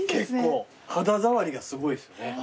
肌触りがすごいですよね。